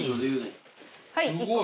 はい！